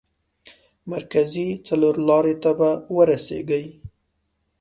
مرکزي څلور لارې ته به ورسېږئ.